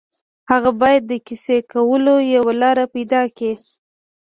هغه باید د کیسې کولو یوه لاره پيدا کړي